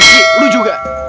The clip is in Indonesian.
bikin lu juga